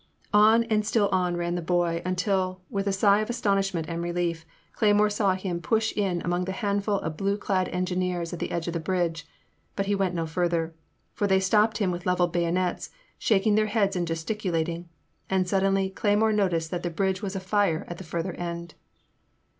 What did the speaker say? On and still on ran the boy, until, with a sigh of astonishment and relief, Cleymore saw him 2o6 In the Name of the Most High. push in among the handful of blue dad engineers at the end of the bridge; but he went no further, for they stopped him with levelled bayonets, shak ing their heads and gesticulating, and suddenly Cleymore noticed that the bridge was afire at the further end.